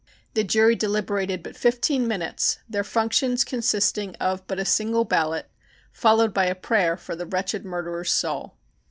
The jury deliberated but fifteen minutes, their functions consisting of but a single ballot, followed by a prayer for the wretched murderer's soul.